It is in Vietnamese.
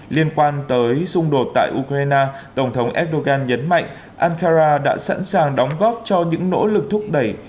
liên quan tới xung đột tại ukraine tổng thống erdogan nhấn mạnh ankara đã sẵn sàng đóng góp cho những nỗ lực thúc đẩy